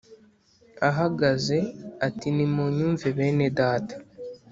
ahagaze ati Nimunyumve bene data